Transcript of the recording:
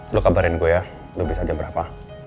lo kabarin gue ya lebih saja berapa